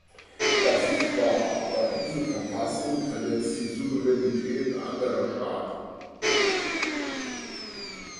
Das ist wahr, aber diese Verfassung verletzt die Souveränität anderer Staaten.